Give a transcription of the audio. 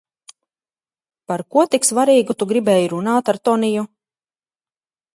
Par ko tik svarīgu tu gribēji runāt ar Toniju?